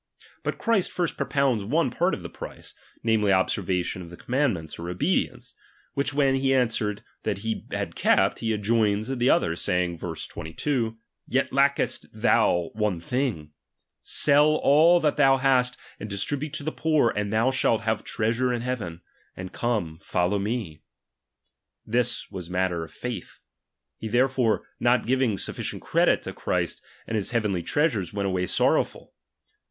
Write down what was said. But Christ first propounds one part of the price, namely, observation of the commandments, or obedience ; which when he answered that he had kept, he adjoins the other, saying (verse 22) : Yet lachest thou one thing ; Sell all that thou hast, and distribute to the poor, and thou shall hare treasure in lieaven ; and come, follow me. This was matter of yotVA, He therefore not giving sufficient credit to Christ and his heavenly treasures, went away sorrowful.